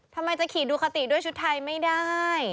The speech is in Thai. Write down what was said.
ทำไมจะขี่ดูคาติด้วยชุดไทยไม่ได้